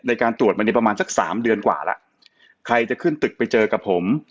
ในการตรวจมาเนี่ยประมาณสักสามเดือนกว่าแล้วใครจะขึ้นตึกไปเจอกับผม